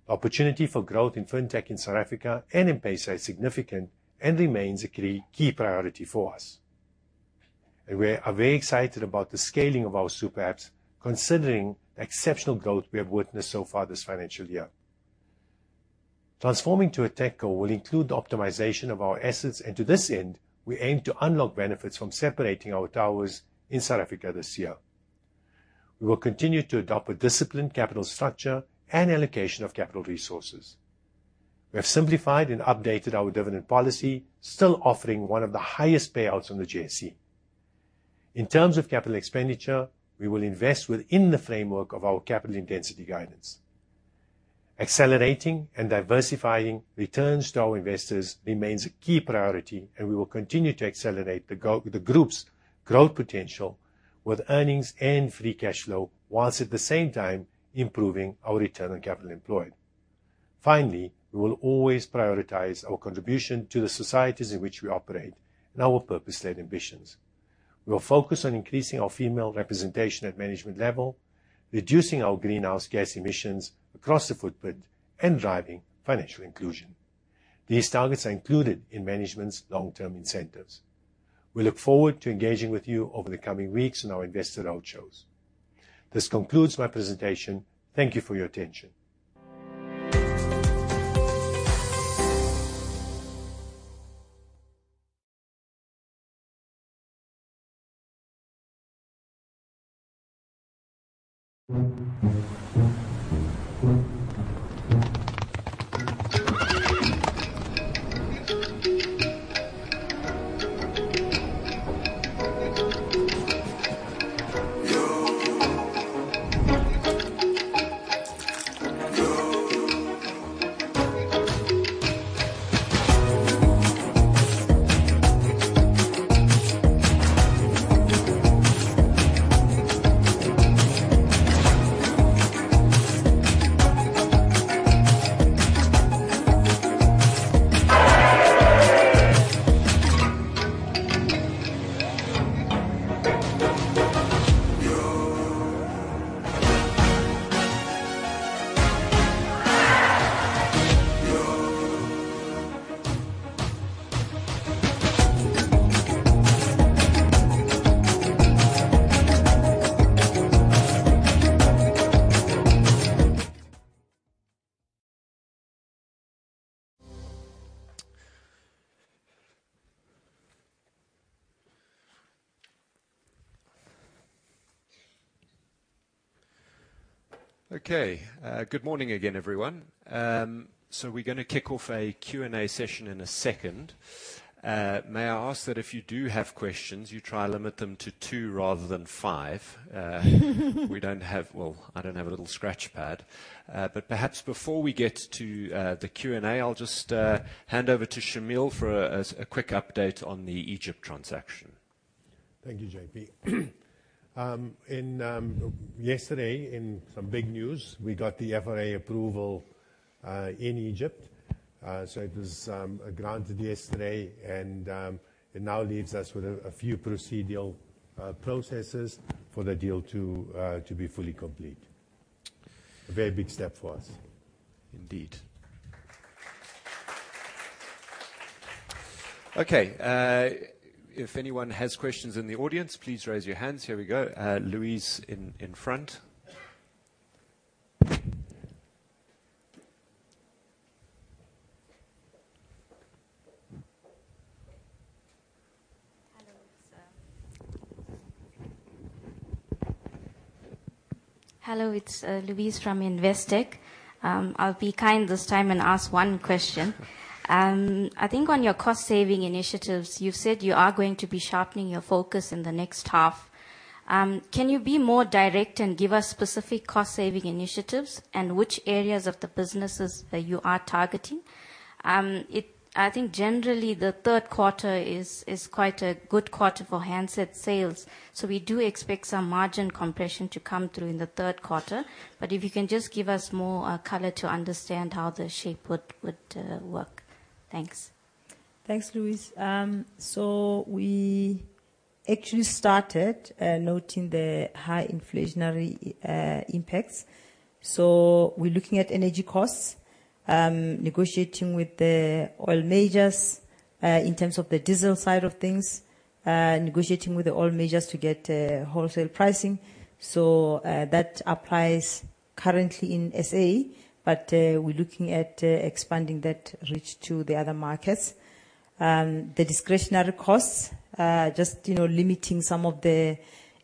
[SPEAKER 2] Opportunity for growth in Fintech in South Africa and in PaySite is significant and remains a key priority for us. We are very excited about the scaling of our super apps, considering the exceptional growth we have witnessed so far this financial year. Transforming to a tech co will include optimization of our assets, and to this end, we aim to unlock benefits from separating our towers in South Africa this year. We will continue to adopt a disciplined capital structure and allocation of capital resources. We have simplified and updated our dividend policy, still offering one of the highest payouts on the JSE. In terms of capital expenditure, we will invest within the framework of our capital intensity guidance. Accelerating and diversifying returns to our investors remains a key priority, and we will continue to accelerate the Group's growth potential with earnings and free cash flow, while at the same time improving our return on capital employed. Finally, we will always prioritize our contribution to the societies in which we operate and our purpose-led ambitions. We are focused on increasing our female representation at management level, reducing our greenhouse gas emissions across the footprint, and driving financial inclusion. These targets are included in management's long-term incentives. We look forward to engaging with you over the coming weeks in our investor roadshows. This concludes my presentation. Thank you for your attention.
[SPEAKER 1] Good morning again, everyone. We're gonna kick off a Q&A session in a second. May I ask that if you do have questions, you try to limit them to two rather than five. Well, I don't have a little scratch pad. Perhaps before we get to the Q&A, I'll just hand over to Shameel for a quick update on the Egypt transaction.
[SPEAKER 2] Thank you, JP. Yesterday, in some big news, we got the FRA approval in Egypt. It was granted yesterday, and it now leaves us with a few procedural processes for the deal to be fully complete. A very big step for us indeed.
[SPEAKER 1] Okay. If anyone has questions in the audience, please raise your hands. Here we go. Louise in front.
[SPEAKER 4] Hello, sir. Hello, it's Louise from Investec. I'll be kind this time and ask one question. I think on your cost-saving initiatives, you've said you are going to be sharpening your focus in the next half. Can you be more direct and give us specific cost-saving initiatives and which areas of the businesses that you are targeting? I think generally, the third quarter is quite a good quarter for handset sales, so we do expect some margin compression to come through in the third quarter. If you can just give us more color to understand how the shape would work? Thanks.
[SPEAKER 3] Thanks, Louise. We actually started noting the high inflationary impacts. We're looking at energy costs, negotiating with the oil majors in terms of the diesel side of things, negotiating with the oil majors to get wholesale pricing. That applies currently in SA, but we're looking at expanding that reach to the other markets. The discretionary costs, just, you know, limiting some of the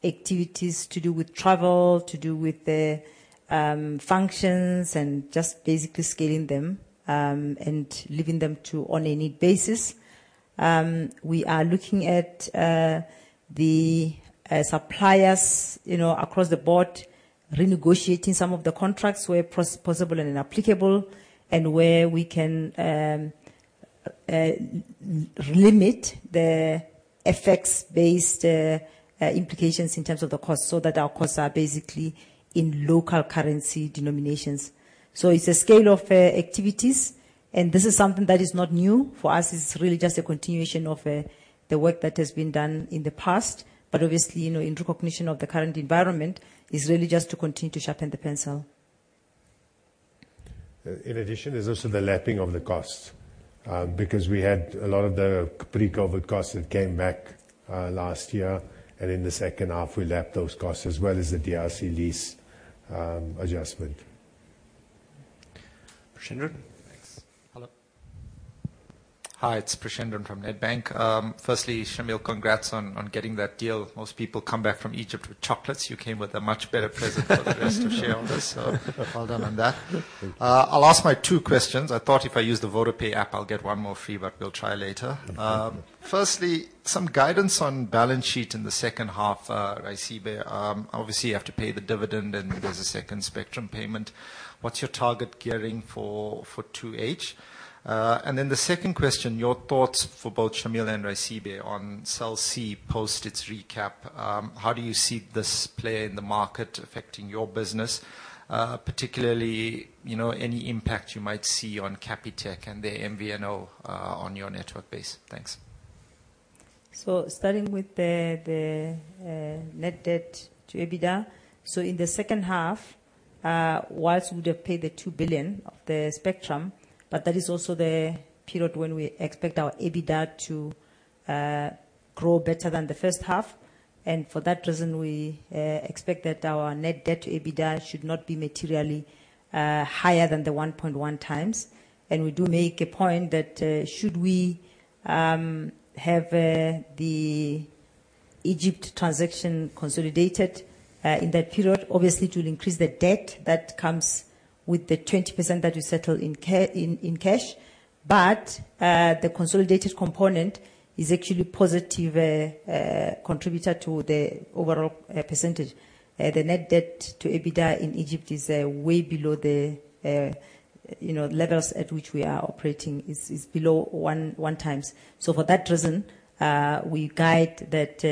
[SPEAKER 3] activities to do with travel, to do with the functions and just basically scaling them and leaving them on a need basis. We are looking at the suppliers, you know, across the board, renegotiating some of the contracts where possible and applicable, and where we can limit the FX-based implications in terms of the cost, so that our costs are basically in local currency denominations. It's a scale of activities, and this is something that is not new. For us, it's really just a continuation of the work that has been done in the past. Obviously, you know, in recognition of the current environment, it's really just to continue to sharpen the pencil.
[SPEAKER 2] In addition, there's also the lapping of the costs, because we had a lot of the pre-COVID costs that came back last year, and in the second half, we lapped those costs as well as the DRC lease adjustment.
[SPEAKER 1] Preshendran?
[SPEAKER 5] Thanks. Hello. Hi, it's Preshendran from Nedbank. Firstly, Shameel, congrats on getting that deal. Most people come back from Egypt with chocolates. You came with a much better present for the rest of shareholders, so well done on that.
[SPEAKER 2] Thank you.
[SPEAKER 5] I'll ask my two questions. I thought if I use the VodaPay app, I'll get one more free, but we'll try later.
[SPEAKER 2] Okay.
[SPEAKER 5] Firstly, some guidance on balance sheet in the second half, Raisibe. Obviously you have to pay the dividend, and there's a second spectrum payment. What's your target gearing for 2H? And then the second question, your thoughts for both Shameel and Raisibe on Cell C post its recap. How do you see this play in the market affecting your business? Particularly, you know, any impact you might see on Capitec and their MVNO on your network base. Thanks.
[SPEAKER 3] Starting with the net debt to EBITDA. In the second half, while we would have paid the 2 billion of the spectrum, but that is also the period when we expect our EBITDA to grow better than the first half. For that reason, we expect that our net debt to EBITDA should not be materially higher than the 1.1x. We do make a point that should we have the Egypt transaction consolidated in that period, obviously it will increase the debt that comes with the 20% that we settle in cash. The consolidated component is actually positive contributor to the overall percentage. The net debt to EBITDA in Egypt is way below the you know levels at which we are operating. It's below 1x. For that reason, we guide that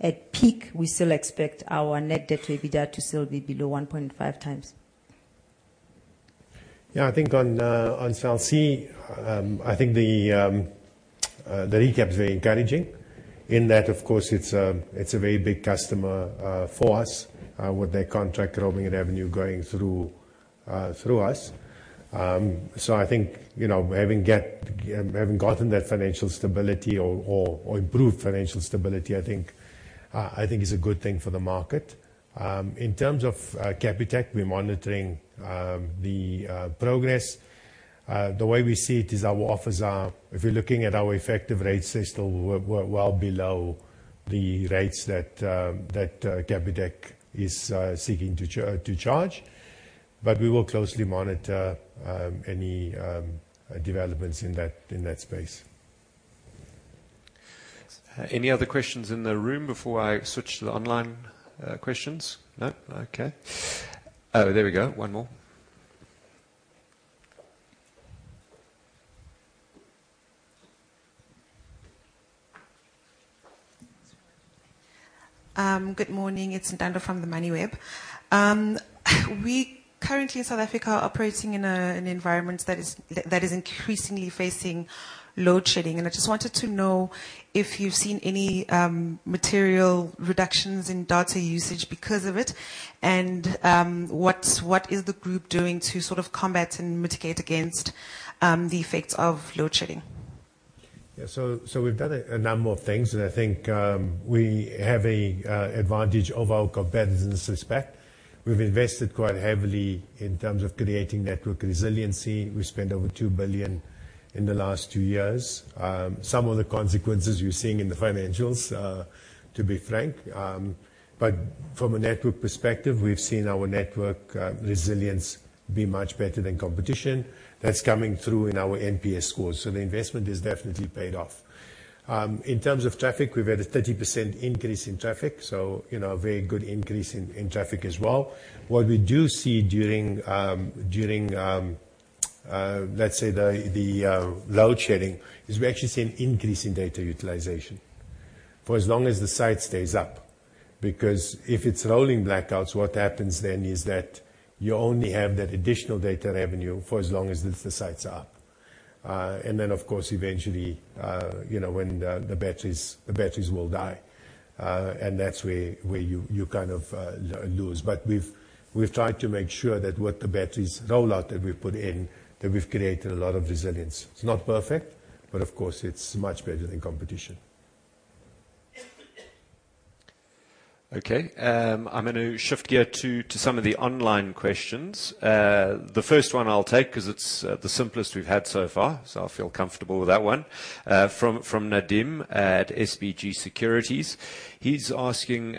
[SPEAKER 3] at peak, we still expect our net debt to EBITDA to still be below 1.5x.
[SPEAKER 2] Yeah. I think on Cell C, I think the recap's very encouraging in that of course it's a very big customer for us with their contract roaming and revenue going through us. So I think, you know, having gotten that financial stability or improved financial stability, I think is a good thing for the market. In terms of Capitec, we're monitoring the progress. The way we see it is our offers are, if you're looking at our effective rates, they're still well below the rates that Capitec is seeking to charge. We will closely monitor any developments in that space.
[SPEAKER 1] Any other questions in the room before I switch to the online questions? No? Okay. Oh, there we go. One more.
[SPEAKER 6] Good morning. It's Ntando from Moneyweb. We currently in South Africa are operating in an environment that is increasingly facing load shedding, and I just wanted to know if you've seen any material reductions in data usage because of it, and what is the group doing to sort of combat and mitigate against the effects of load shedding?
[SPEAKER 2] Yeah. We've done a number of things, and I think we have an advantage over our competitors in this respect. We've invested quite heavily in terms of creating network resiliency. We spent over 2 billion in the last two years. Some of the consequences you're seeing in the financials, to be frank. From a network perspective, we've seen our network resilience be much better than competition. That's coming through in our NPS scores. The investment has definitely paid off. In terms of traffic, we've had a 30% increase in traffic, you know, a very good increase in traffic as well. What we do see during load shedding is we actually see an increase in data utilization for as long as the site stays up. Because if it's rolling blackouts, what happens then is that you only have that additional data revenue for as long as the sites are. Then of course eventually, you know, when the batteries will die, and that's where you kind of lose. We've tried to make sure that with the batteries rollout that we've put in, that we've created a lot of resilience. It's not perfect, but of course it's much better than competition.
[SPEAKER 1] Okay. I'm gonna shift gear to some of the online questions. The first one I'll take, 'cause it's the simplest we've had so far, so I feel comfortable with that one. From Nadim at SBG Securities, he's asking,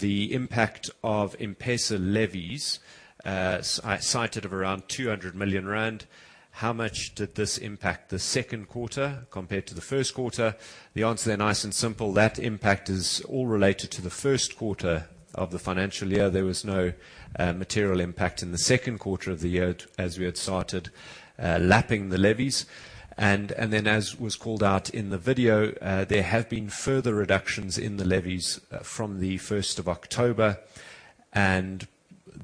[SPEAKER 1] the impact of M-PESA levies of around 200 million rand. How much did this impact the second quarter compared to the first quarter? The answer there, nice and simple, that impact is all related to the first quarter of the financial year. There was no material impact in the second quarter of the year as we had started lapping the levies. Then as was called out in the video, there have been further reductions in the levies from the first of October, and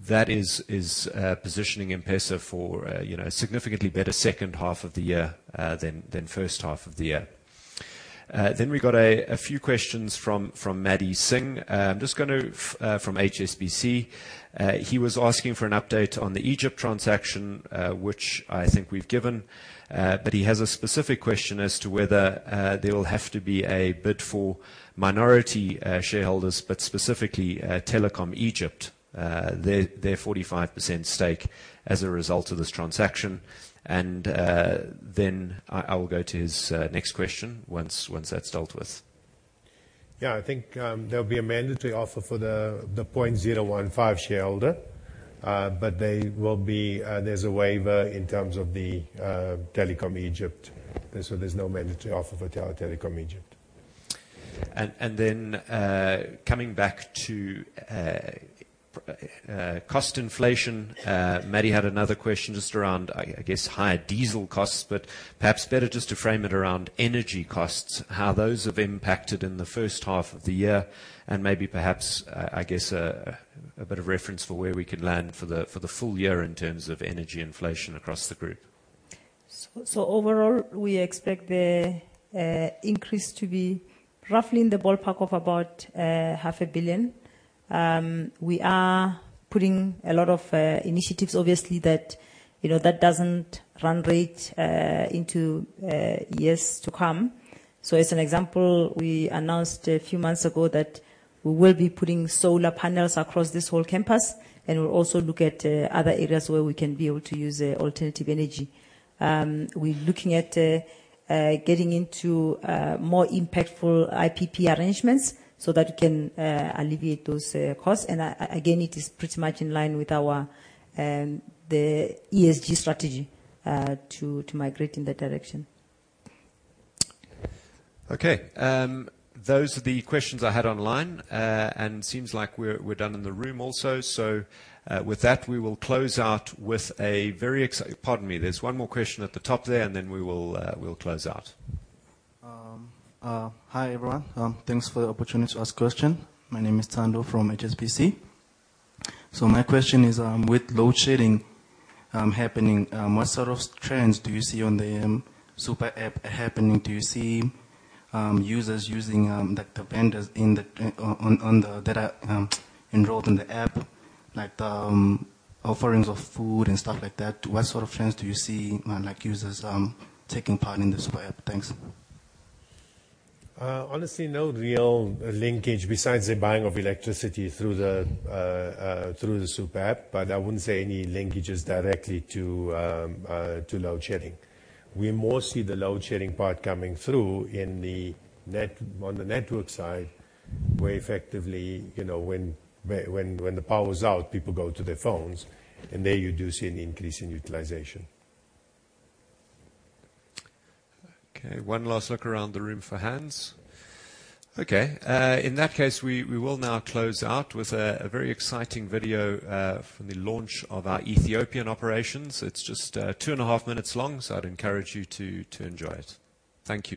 [SPEAKER 1] that is positioning M-PESA for you know significantly better second half of the year than first half of the year. Then we got a few questions from Maddy Singh from HSBC. He was asking for an update on the Egypt transaction, which I think we've given. But he has a specific question as to whether there will have to be a bid for minority shareholders, but specifically Telecom Egypt their 45% stake as a result of this transaction. Then I will go to his next question once that's dealt with.
[SPEAKER 2] Yeah. I think there'll be a mandatory offer for the 0.015 shareholder. But there's a waiver in terms of the Telecom Egypt. There's no mandatory offer for Telecom Egypt.
[SPEAKER 1] Coming back to cost inflation, Maddy had another question just around, I guess, higher diesel costs, but perhaps better just to frame it around energy costs, how those have impacted in the first half of the year, and maybe perhaps, I guess a bit of reference for where we could land for the full year in terms of energy inflation across the group.
[SPEAKER 3] Overall, we expect the increase to be roughly in the ballpark of about 500 million. We are putting a lot of initiatives obviously that doesn't run rate into years to come. As an example, we announced a few months ago that we will be putting solar panels across this whole campus, and we'll also look at other areas where we can be able to use alternative energy. We're looking at getting into more impactful IPP arrangements so that we can alleviate those costs. Again, it is pretty much in line with our the ESG strategy to migrate in that direction.
[SPEAKER 1] Okay. Those are the questions I had online. Seems like we're done in the room also. With that, we will close out. Pardon me, there's one more question at the top there, and then we'll close out.
[SPEAKER 7] Hi, everyone. Thanks for the opportunity to ask question. My name is Thando from HSBC. My question is, with load shedding happening, what sort of trends do you see on the super app happening? Do you see users using, like the vendors in the that are enrolled in the app, like offerings of food and stuff like that? What sort of trends do you see, like users taking part in the super app? Thanks.
[SPEAKER 2] Honestly, no real linkage besides the buying of electricity through the super app, but I wouldn't say any linkages directly to load shedding. We more see the load shedding part coming through on the network side, where effectively, you know, when the power is out, people go to their phones, and there you do see an increase in utilization.
[SPEAKER 1] Okay, one last look around the room for hands. Okay. In that case, we will now close out with a very exciting video from the launch of our Ethiopian operations. It's just two and a half minutes long, so I'd encourage you to enjoy it. Thank you.